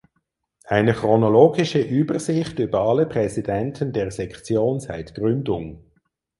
Eine chronologische Übersicht über alle Präsidenten der Sektion seit Gründung.